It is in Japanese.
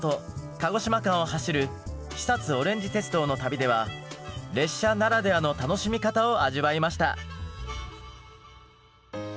鹿児島間を走る肥おれんじ鉄道の旅では列車ならではの楽しみ方を味わいました。